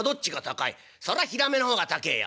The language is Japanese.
「そらひらめの方が高えや」。